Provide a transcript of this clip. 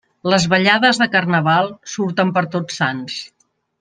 Les ballades de Carnaval surten per Tots Sants.